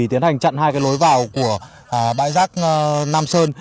tiến hành chặn hai lối vào của bãi rác nam sơn